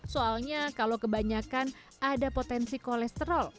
soalnya kalau kebanyakan ada potensi kolesterol